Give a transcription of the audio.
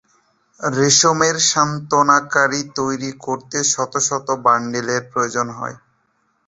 রেশমের সান্ত্বনাকারী তৈরি করতে শত শত বান্ডিলের প্রয়োজন হয়।